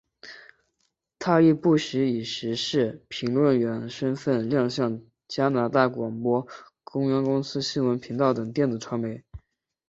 她亦不时以时事评论员身份亮相加拿大广播公司英语新闻频道等电子传媒。